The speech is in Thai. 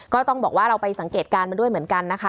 ก็ต้องบอกว่าเราไปสังเกตการณ์มาด้วยเหมือนกันนะคะ